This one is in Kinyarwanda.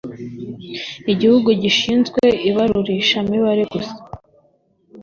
Igihugu gishinzwe Ibarurisha mibare gusa